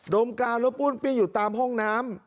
โดมการรถปุ้นเปรี้ยงอยู่ตามห้องน้ำ